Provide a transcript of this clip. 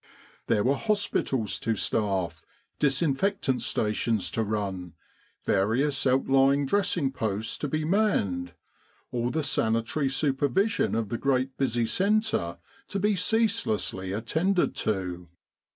There were hospitals to staff, disinfect ing stations to run, various outlying dressing posts to be manned, all the sanitary supervision of the great busy centre to be ceaselessly attended to.